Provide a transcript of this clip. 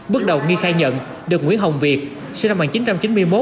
bước đầu nghi khai nhận được nguyễn hồng việt sinh năm một nghìn chín trăm chín mươi một